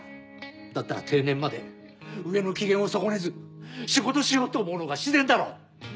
だったら定年まで上の機嫌を損ねず仕事しようと思うのが自然だろ。